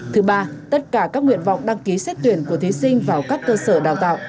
thứ ba tất cả các nguyện vọng đăng ký xét tuyển của thí sinh vào các cơ sở đào tạo